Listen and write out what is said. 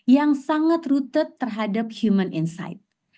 yang sangat rute terhadap human insight